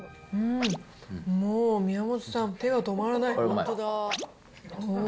もう宮本さん、手が止まらない。